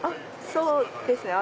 そうですね。